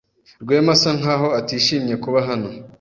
Rwema asa nkaho atishimiye kuba hano.